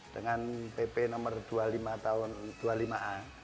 dengan pp nomor dua puluh lima a